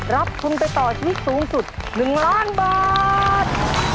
รับทุนไปต่อชีวิตสูงสุด๑ล้านบาท